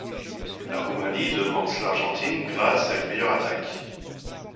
La Roumanie devance l'Argentine grâce à une meilleure attaque.